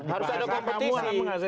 harus ada kompetisi